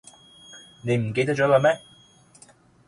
你唔記得咗啦咩?